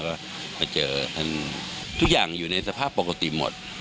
ก็ไปเจอท่านทุกอย่างอยู่ในสภาพปกติหมด